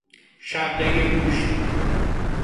شقه گوشت